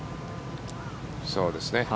そうですね。